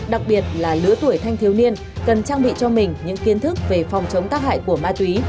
đặc biệt là lứa tuổi thanh thiếu niên cần trang bị cho mình những kiến thức về phòng chống tác hại của ma túy